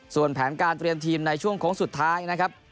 ส่วนแผนการเตรียมทีมในช่วงโค้งสุดท้ายนะครับ